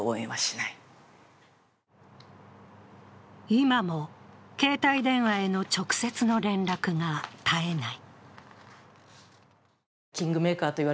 今も携帯電話への直接の連絡が絶えない。